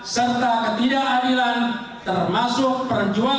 serta ketidakadilan termasuk kejahatan